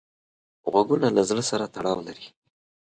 غوږونه له زړه سره تړاو لري